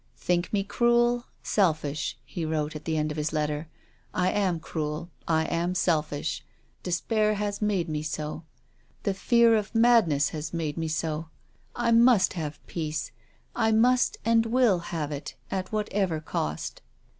" Think me cruel, selfish," he wrote at the end of his letter. " I am cruel. I am selfish. De spair has made me so. The fear of madness has made me so. I must have peace. I must and will have it, at whatever cost."